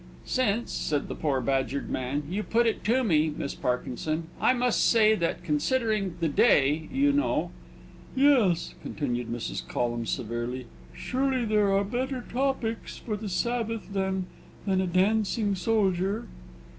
"Since," said the poor badgered man, "you put it to me, Miss Parkinson, I must say that, considering the day, you know " "Yes," continued Mrs. Collum, severely; "surely there are better topics for the Sabbath than than a dancing soldier!"